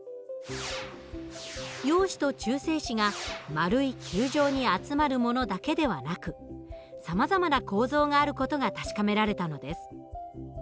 陽子と中性子が丸い球状に集まるものだけではなく様々な構造がある事が確かめられたのです。